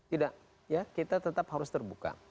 tidak ya kita tetap harus terbuka